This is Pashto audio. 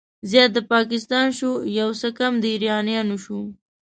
زيات د پاکستان شو، يو څه کم د ايرانيانو شو